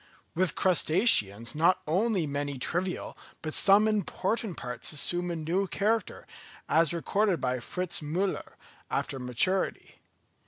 With crustaceans not only many trivial, but some important parts assume a new character, as recorded by Fritz Müller, after maturity.